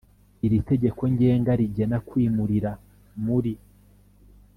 Iri tegeko ngenga rigena kwimurira muri